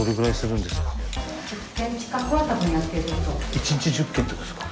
１日１０件ってことですか？